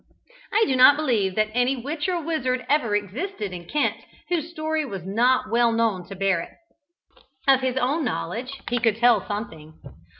I do not believe that any witch or wizard ever existed in Kent whose story was not well known to Barrett. Of his own knowledge he could tell something.